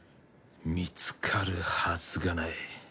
「見つかるはずがない」